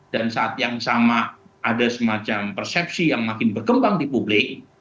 dan saat yang sama ada semacam persepsi yang makin berkembang di publik